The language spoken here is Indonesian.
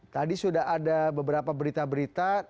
tadi sudah ada beberapa berita berita